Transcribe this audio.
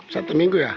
satu minggu ya